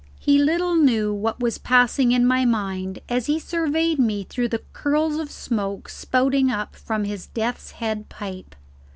He little knew what was passing in my mind as he surveyed me through the curls of smoke spouting up from his death's head pipe.